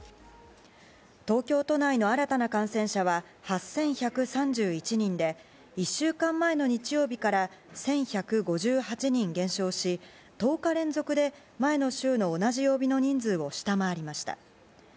東京都内の新たな感染者は８１３１人で１週間前の日曜日から１１５８人減少し１０日連続で前の週の同じ曜日の人数を下回りました。